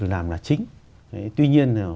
làm là chính tuy nhiên